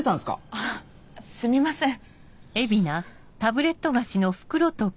あっすみません。